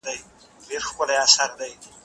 زه به سبا د کتابتون لپاره کار وکړم؟!